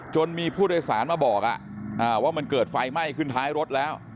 มีผู้โดยสารมาบอกว่ามันเกิดไฟไหม้ขึ้นท้ายรถแล้ว